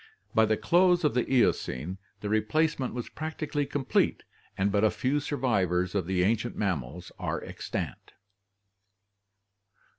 By the close of the Eocene, the replacement was practically complete and but few survivors of the ancient mammals are extant.